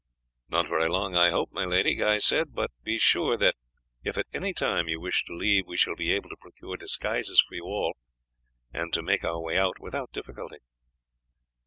"Not very long I hope, my lady," Guy said; "but be sure that if at any time you wish to leave we shall be able to procure disguises for you all, and to make our way out without difficulty."